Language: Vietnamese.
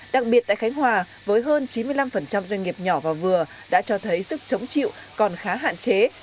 đặc biệt tại khánh hòa với hơn chín mươi năm doanh nghiệp nhỏ và vừa đã cho thấy sức chống chịu còn khá hạn chế